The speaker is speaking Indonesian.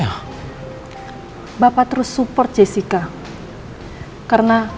kamu kayaknya boleh dong ya